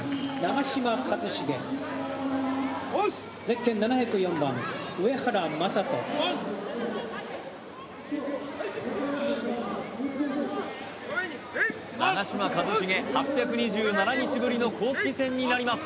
押忍押忍長嶋一茂８２７日ぶりの公式戦になります